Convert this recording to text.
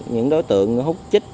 những đối tượng hút chích